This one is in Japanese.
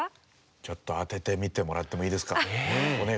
ちょっと当ててみてもらってもいいですか？